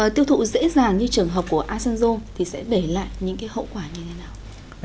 tiêu thụ dễ dàng như trường hợp của asanzo thì sẽ để lại những hậu quả như thế nào